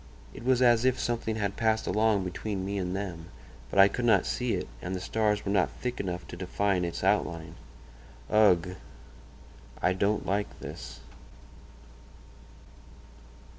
It was as if something had passed along between me and them; but I could not see it, and the stars were not thick enough to define its outline. Ugh! I don't like this."